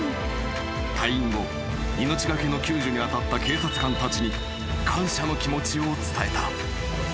［退院後命懸けの救助に当たった警察官たちに感謝の気持ちを伝えた］